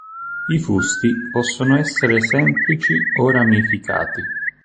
I fusti possono essere semplici o ramificati.